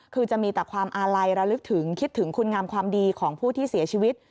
คือจะมีแต่ความอาลัยระลึกถึงคิดถึงคุณงามความดีของผู้ที่เสียชีวิต